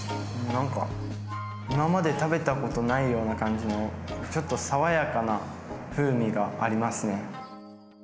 何か今まで食べたことないような感じのちょっと爽やかな風味がありますね。